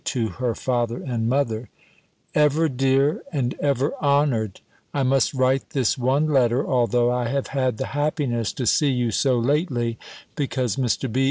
to her Father and Mother_ EVER DEAR, AND EVER HONOURED, I must write this one letter, although I have had the happiness to see you so lately; because Mr. B.